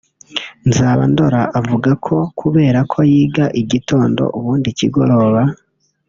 Nzabandora avuga ko kubera ko yiga igitondo ubundi ikigoroba